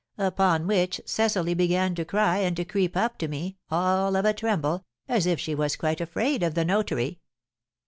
Upon which Cecily began to cry and to creep up to me, all of a tremble, as if she was quite afraid of the notary."